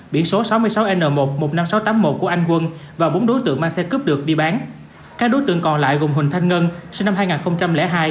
biển số sáu mươi sáu n một một mươi năm nghìn sáu trăm tám mươi một của anh quân và bốn đối tượng mang xe cướp được đi bán các đối tượng còn lại gồm huỳnh thanh ngân sinh năm hai nghìn hai